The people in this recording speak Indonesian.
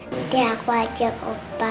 jadi aku ajak opa